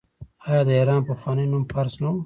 آیا د ایران پخوانی نوم فارس نه و؟